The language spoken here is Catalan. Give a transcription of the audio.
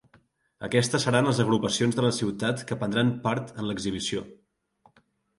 Aquestes seran les agrupacions de la ciutat que prendran part en l’exhibició.